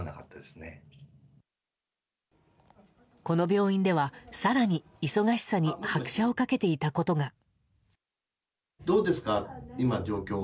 この病院では、更に忙しさに拍車を掛けていたことが。